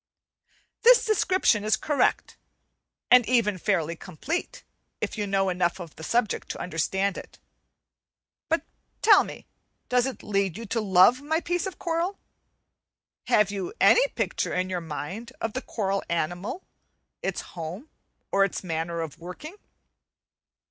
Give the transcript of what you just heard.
This description is correct, and even fairly complete, if you know enough of the subject to understand it. But tell me, does it lead you to love my piece of coral? Have you any picture in your mind of the coral animal, its home, or its manner of working?